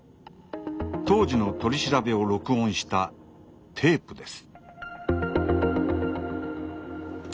当時の取り調べを録音したテープです。